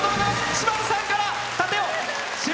島津さんから盾を。